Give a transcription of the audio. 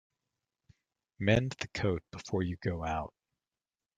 Mend the coat before you go out.